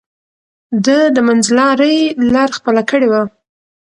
ده د منځلارۍ لار خپله کړې وه.